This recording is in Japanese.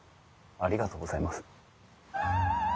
ありがとうございます。